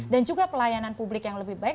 dan juga pelayanan publik yang lebih baik